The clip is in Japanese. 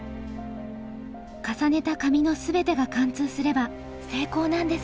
重ねた紙の全てが貫通すれば成功なんですが。